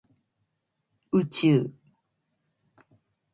宇宙